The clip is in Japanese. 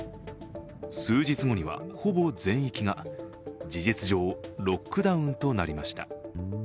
数日後には、ほぼ全域が事実上ロックダウンとなりました。